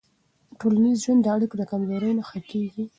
ټولنیز ژوند د اړیکو له کمزورۍ نه ښه کېږي.